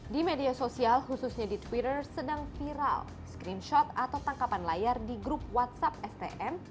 di media sosial khususnya di twitter sedang viral screenshot atau tangkapan layar di grup whatsapp stm